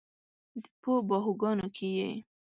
په باهوګانو کې یې